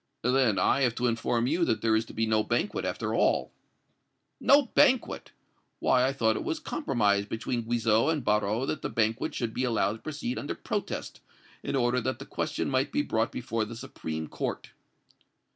"Then I have to inform you that there is to be no banquet after all." "No banquet! Why, I thought it was compromised between Guizot and Barrot that the banquet should be allowed to proceed under protest, in order that the question might be brought before the Supreme Court."